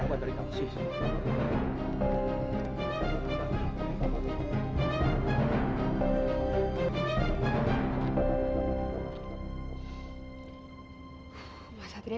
aku mau pergi sendiri